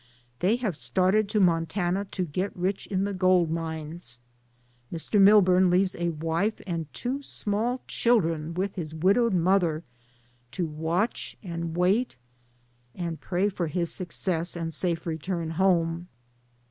They have started to Montana to get rich in the gold mines. Mr. Milburn leaves a wife and two small children with his widowed mother, to watch, and wait, and pray for his success and safe return home.